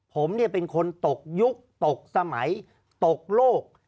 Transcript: ผมเป็นคนตกยุคตกสมัยตกโลก